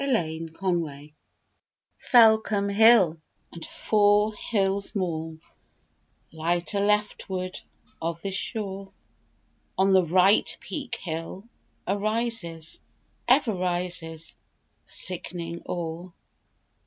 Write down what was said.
A SIDMOUTH LAD Salcombe Hill and four hills more Lie to leftward of this shore. On the right Peak Hill arises Ever rises, sickening, o'er.